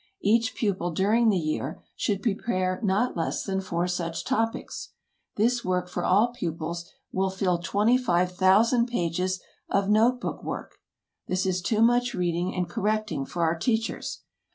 Each pupil, during the year, should prepare not less than four such topics. This work for all our pupils will fill twenty five thousand pages of note book work. This is too much reading and correcting for our teachers.